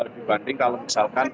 dibanding kalau misalkan